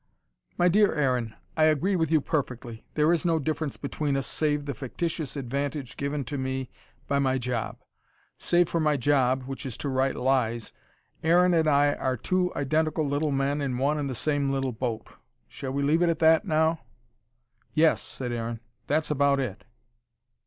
"My dear Aaron, I agree with you perfectly. There is no difference between us, save the fictitious advantage given to me by my job. Save for my job which is to write lies Aaron and I are two identical little men in one and the same little boat. Shall we leave it at that, now?" "Yes," said Aaron. "That's about it."